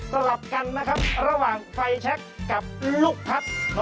ลับกันนะครับระหว่างไฟแชคกับลูกพัด